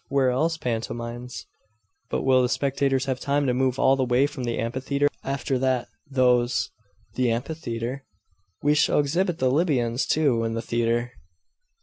Where else pantomimes?' 'But will the spectators have time to move all the way from the Amphitheatre after that those ' 'The Amphitheatre? We shall exhibit the Libyans, too, in the Theatre.